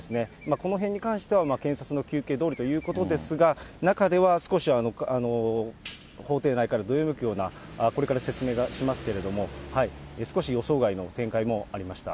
このへんに関しては、検察の求刑どおりということですが、中では少し法廷内からどよめくような、これから説明しますけれども、少し予想外の展開もありました。